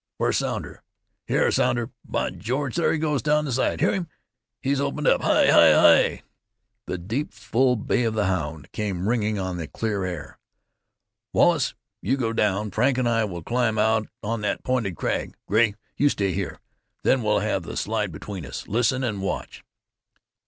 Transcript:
Where's Sounder? Hyar, Sounder! By George! there he goes down the slide. Hear him! He's opened up! Hi! Hi! Hi!" The deep, full mellow bay of the hound came ringing on the clear air. "Wallace, you go down. Frank and I will climb out on that pointed crag. Grey, you stay here. Then we'll have the slide between us. Listen and watch!"